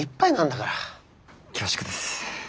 恐縮です。